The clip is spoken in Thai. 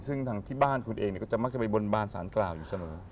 ซึ่งทางที่บ้านคุณเองก็จะมักจะไปบนบานสารกล่าวอยู่เสมอ